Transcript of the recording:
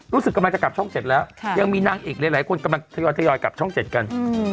รู้สึกกำลังจะกลับช่องเจ็ดแล้วค่ะยังมีนางอีกหลายหลายคนกำลังทยอยทยอยกลับช่องเจ็ดกัน